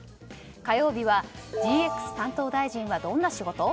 火曜日はＧＸ担当大臣はどんな仕事？